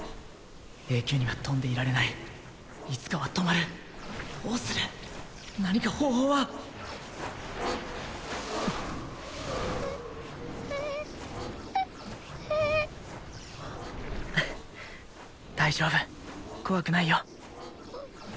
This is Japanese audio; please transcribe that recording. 永久には飛んでいられないいつかは止まるどうする何か方法は大丈夫怖くないよ